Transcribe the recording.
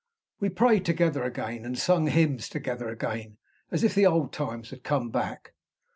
We prayed together again, and sung hymns together again, as if the old times had come back.